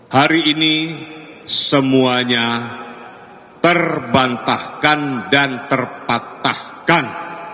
hari ini semuanya terbantahkan dan terpatahkan